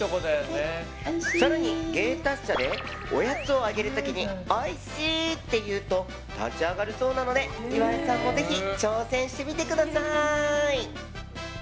更に芸達者でおやつをあげる時においしいって言うと立ち上がるそうなので岩井さんもぜひ挑戦してみてください！